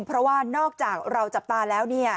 เพราะว่านอกจากเราจับตาแล้วเนี่ย